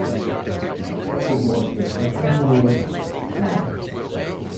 It was the second World's Fair.